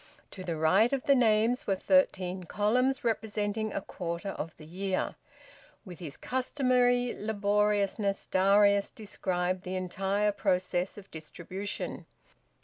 To the right of the names were thirteen columns, representing a quarter of the year. With his customary laboriousness, Darius described the entire process of distribution.